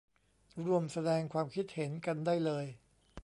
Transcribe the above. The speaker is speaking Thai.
ร่วมแสดงความคิดเห็นกันได้เลย